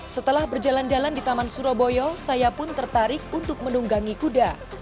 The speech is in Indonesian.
setelah berjalan jalan di taman suro boyo saya pun tertarik untuk mendunggangi kuda